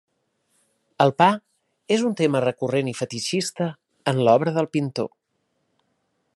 El pa és un tema recurrent i fetitxistes en l'obra del pintor.